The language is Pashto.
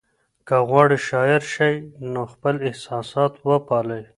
که غواړئ شاعر شئ نو خپل احساسات وپالئ.